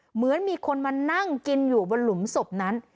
เหมือนมีคนมานั่งกินอยู่บนหลุมศพนั้น